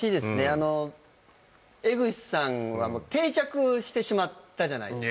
あの江口さんはもう定着してしまったじゃないですか